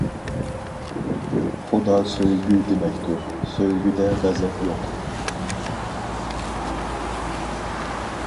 خۇدا سۆيگۈ دېمەكتۇر، سۆيگۈدە غەزەپ يوق.